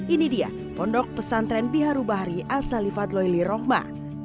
ini dia pondok pesantren biharu bahri asalifat loyli rohma